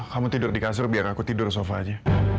kamu tidur di kasur biar aku tidur sofa aja